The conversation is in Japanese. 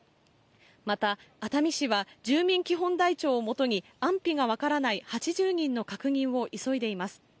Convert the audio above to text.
また熱海市は、住民基本台帳をもとに、安否が分からない８０人の確認を急いでいます。